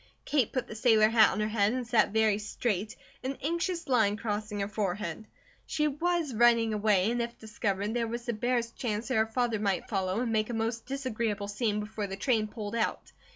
Kate put the sailor hat on her head, and sat very straight, an anxious line crossing her forehead. She was running away, and if discovered, there was the barest chance that her father might follow, and make a most disagreeable scene, before the train pulled out.